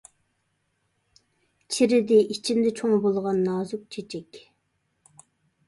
چىرىدى ئىچىمدە چوڭ بولغان نازۇك چېچەك.